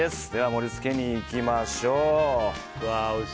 盛り付けにいきましょう。